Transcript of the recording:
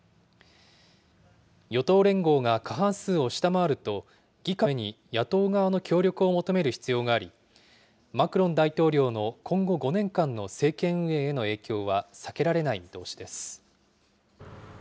与党連合が過半数を下回ると、議会で法案を通すために野党側の協力を求める必要があり、マクロン大統領の今後５年間の政権運営への影響は避けられない見通しです。